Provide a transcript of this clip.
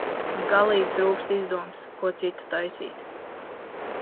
Galīgi trūkst izdomas, ko citu taisīt.